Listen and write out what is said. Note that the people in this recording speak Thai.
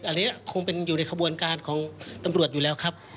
อันนี้คงเป็นอยู่ในขบวนการของตำรวจอยู่แล้วครับ